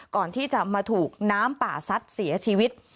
ก่อนที่จะมาถูกน้ำป่าซัดเสียชีวิต